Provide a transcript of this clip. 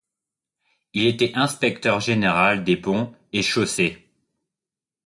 Il était Inspecteur général des Ponts et Chaussées.